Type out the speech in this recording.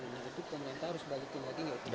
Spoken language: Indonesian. itu pemerintah harus balikin lagi